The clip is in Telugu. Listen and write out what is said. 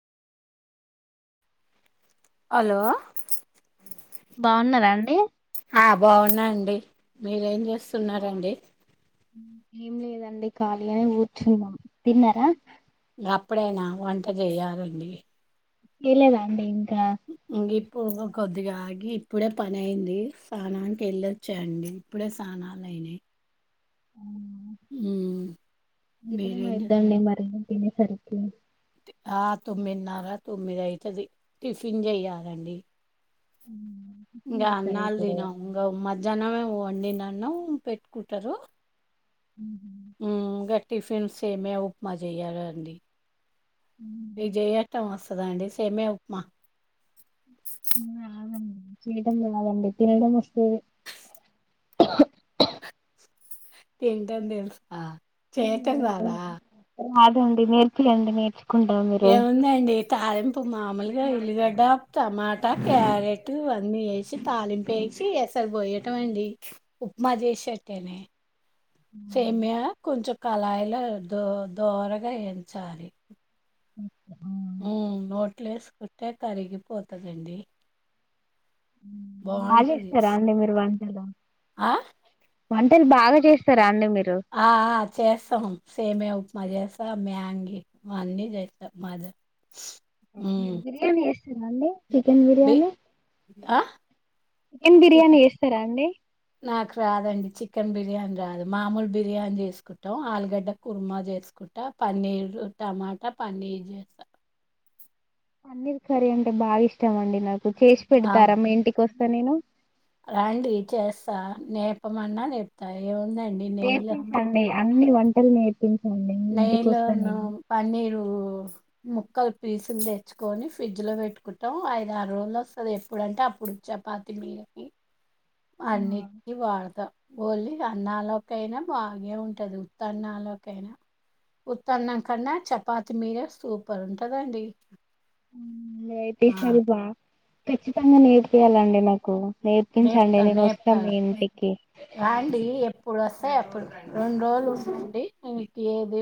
హలో బావున్నారా అండి? ఆ బావున్నా అండి మీరేం చేస్తున్నారండి? ఏం లేదండి ఖాళీగానే అని కూర్చున్నాం. తిన్నారా? అప్పుడేనా వంట చేయాలండి కెలేదండి ఇ ఇప్పుదు కో అదిగాగి ఇప్పుడే పని అయింది. స్నానానికి వెళ్ళొచ్చాండి ఇప్పుడే స్నానాలు అయినాయి. ఉమ్ ఉమ్ మీరేం చే- ఇదేమయిద్దండి మరి తినేసరికి ఆ తొమ్మిదిన్నర తొమ్మిది అయితది టిఫిన్ చెయ్యాలండి ఉ ఇంగ అన్నాలు తినం గ మద్ మధ్యాహ్నమే వండిన అన్నం పెట్టుకుంటారు ఆ హ టిఫిన్స్ సేమ్యా ఉప్మా చేయాలండి మీ జయ అత్త మస్త్ దాండి సేమ్యా ఉప్మా రాదండి చేయటం రాదండి తినడం వస్తది తినటం తెలుసు ఆ చేయటం రాదా రాదండి నేర్పియండి నేర్చ్ ఏముందండి తాలింపు మామూలుగా ఉల్లిగడ్డ టమాటా క్యారెట్ అన్నీ వేసి తాలింపు వేసి ఎసరు పోయటం అండి ఉప్మా చేసినట్టేనే సేమ్యా కొంచెం కళాయిలో దో దోరగా వేయించాలి ఉ నోట్లు వేసుకుంటే కరిగిపోతదండి బాగా బాగుంటది చేస్తారా అండి మీరు వంటలు ఆ వంటలు బాగా చేస్తారా అండి మీరు ఆ ఆ చేస్తాం సేమ్యా ఉప్మా మాజేస్తా మ్యాంగి అన్నీ చేస్తా మజ మ్ డి చికెన్ బిర్యానీ ఆ కెన్ బిర్యానీ చేస్తారా అండి నాకు రాదండి చికెన్ బిర్యానీ రాదు మామూలు బిర్యానీ చేసుకుంటాం ఆలుగడ్డ కుర్మా చేసుకుంటా పన్నీరు టమాటా పన్నీర్ చేస్తా పన్నీర్ కర్రీ అంటే బాగా ఇష్టం అండి నాకు చేసి ఆ పెడతారా మీ ఇంటికి వస్త వస్తా నేను రండి చేస్తా నేర్పమన్నా నేర్పుతా ఏముందండి నెయ్యి ల నేర్పించండి అన్ని వంటలు నేర్పి నెయ్యి లో ను పన్నీరు ముక్కలు పీసులు తెచ్చుకొని ఫ్రిడ్జ్లో పెట్టుకుంటాం ఐదు ఆరు రోజులు వస్తుంది ఎప్పుడంటే అప్పుడు చపాతి మీదకి ఆ అన్నిటికి వాడుత ఓన్లీ అన్నాలోకైనా బాగే ఉంటది ఉత్తన్నలోకైనా ఉత్తన్నం కన్నా చపాతి మీదే సూపర్ ఉంటదండి ఆ నేర్పిస్తాను బా ఖచ్చితంగా నేరుపియాలండి నాకు నేర్పించండి నేపుతా నేను నేపుతా వస్తా మీ ఇంటికి స్తె అప్పుడు రొండు రోజులు ఉండండి ఏది